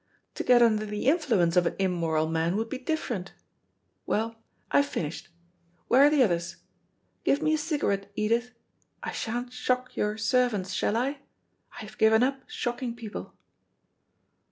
To get under the influence of an immoral man would be different. We'll, I've finished. Where are the others? Give me a cigarette, Edith. I sha'n't shock your servants, shall I? I've given up shocking people."